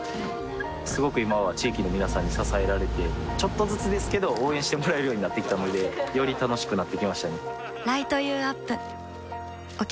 すごく今は地域の皆さんに支えられてちょっとずつですけど応援してもらえるようになってきたのでより楽しくなってきましたね